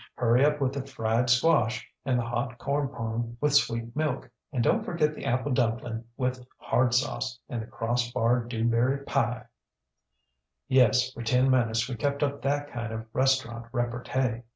ŌĆśHurry up with the fried squash, and the hot corn pone with sweet milk, and donŌĆÖt forget the apple dumpling with hard sauce, and the cross barred dew berry pieŌĆöŌĆÖ ŌĆ£Yes, for ten minutes we kept up that kind of restaurant repartee.